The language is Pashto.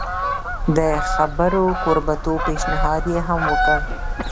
د خبرو کوربه توب پېشنهاد یې هم وکړ.